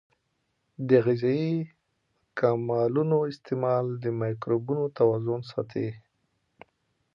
د غذایي مکملونو استعمال د مایکروبونو توازن ساتي.